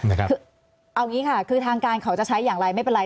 คือเอาอย่างนี้ค่ะคือทางการเขาจะใช้อย่างไรไม่เป็นไร